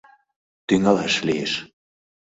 — Тӱҥалаш лиеш.